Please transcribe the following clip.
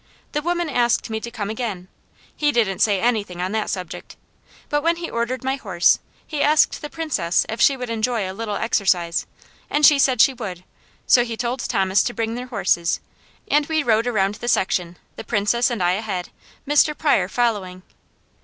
The women asked me to come again; he didn't say anything on that subject; but when he ordered my horse, he asked the Princess if she would enjoy a little exercise, and she said she would, so he told Thomas to bring their horses, and we rode around the section, the Princess and I ahead, Mr. Pryor following.